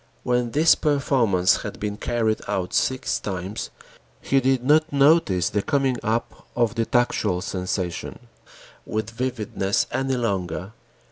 When this performance had been carried out six times, he did not notice the coming up of the tactual sensation with vividness any longer.